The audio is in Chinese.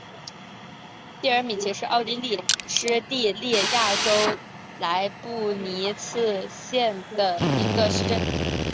蒂尔米奇是奥地利施蒂利亚州莱布尼茨县的一个市镇。